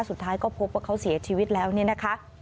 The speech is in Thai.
สุดท้ายก็พบว่าเขาเสียชีวิตแล้วเนี่ยนะคะ